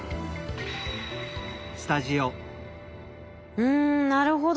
うんなるほど。